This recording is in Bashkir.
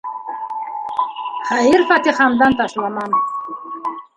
Хәйер - фатихамдан ташламам.